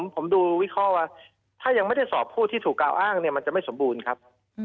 ผมดูวิเคราะห์ว่าถ้ายังไม่ได้สอบผู้ที่ถูกกล่าวอ้างเนี่ยมันจะไม่สมบูรณ์ครับ